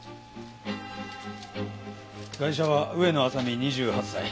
ガイシャは上野亜沙美２８歳。